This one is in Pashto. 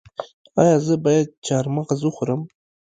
ایا زه باید چهارمغز وخورم؟